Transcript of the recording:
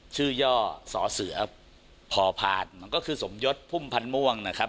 ย่อสอเสือพอผ่านมันก็คือสมยศพุ่มพันธ์ม่วงนะครับ